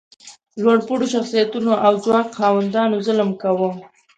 لوړ پوړو شخصیتونو او ځواک خاوندانو ظلم کاوه.